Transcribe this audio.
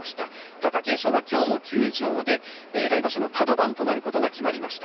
貴景勝は今日も休場来場所のカド番となることが決まりました。